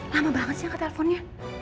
lama banget sih angkat telponnya